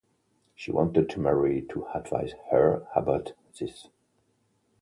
She wanted to Mary to advise her about this.